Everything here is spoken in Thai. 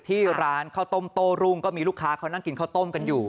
ที่ร้านข้าวต้มโต้รุ่งก็มีลูกค้าเขานั่งกินข้าวต้มกันอยู่